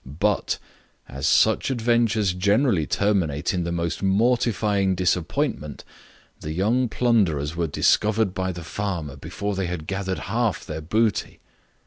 But, as such adventures generally terminate in the most mortifying disappointment, the young plunderers were discovered by the farmer before they had gathered half their booty.